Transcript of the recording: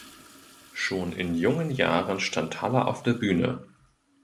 Schon in jungen Jahren stand Haller auf der Bühne.